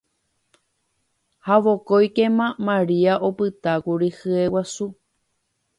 ha vokóikema Maria opytákuri hyeguasu